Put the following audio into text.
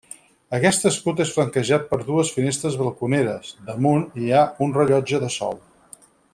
Aquest escut és flanquejat per dues finestres balconeres, damunt hi ha un rellotge de sol.